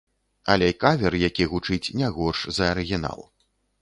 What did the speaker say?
Але кавер, які гучыць не горш за арыгінал.